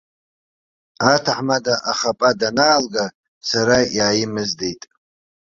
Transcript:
Аҭаҳмада ахапа данаалга, сара иааимыздеит.